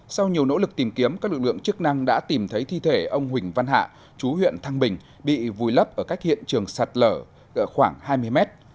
sau nhiều nỗ lực tìm kiếm các lực lượng chức năng đã tìm thấy thi thể ông huỳnh văn hạ chú huyện thăng bình bị vùi lấp ở cách hiện trường sạt lở khoảng hai mươi mét